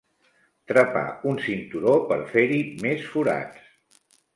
Trepar un cinturó per fer-hi més forats.